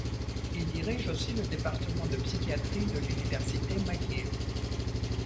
Il dirige aussi le département de Psychiatrie de l'Université McGill.